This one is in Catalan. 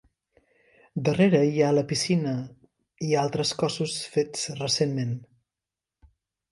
Darrere hi ha la piscina i altres cossos fets recentment.